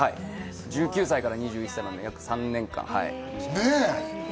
１９歳から２１歳まで約３年間。